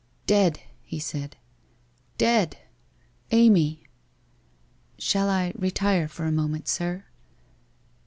* Dead !' he said. * Dead ! Amy !'* Shall I retire for a moment, sir?'